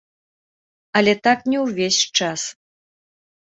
Але так не ўвесь час.